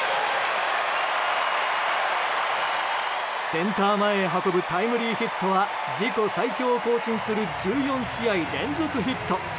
センター前へ運ぶタイムリーヒットは自己最長を更新する１４試合連続ヒット。